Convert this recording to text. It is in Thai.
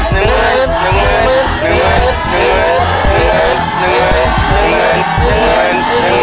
หนึ่งหมื่น